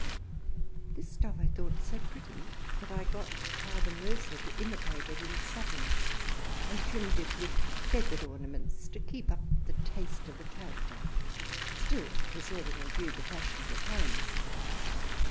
This stuff I thought so pretty that I got Carr the Mercer to imitate it in Satten ; and trimmed it with Feathered Ornaments to keep up the Taste of the Character, still preserving in View the Fashion of the Times.